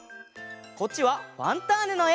こっちは「ファンターネ！」のえ。